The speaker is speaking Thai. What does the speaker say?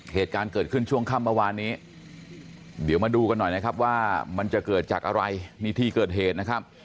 เหตุการณ์เกิดขึ้นช่วงค่ำเมื่อวานนี้เดี๋ยวมาดูกันหน่อยนะครับว่ามันจะเกิดจากอะไรนี่ที่เกิดเหตุนะครับ